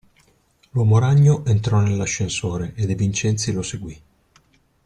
L'uomo ragno entrò nell'ascensore e De Vincenzi lo seguì.